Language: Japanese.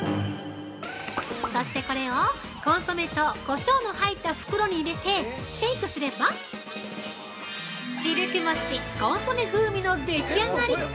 そしてこれをコンソメとこしょうの入った袋に入れてシェイクすればシルク餅、コンソメ風味のでき上がり。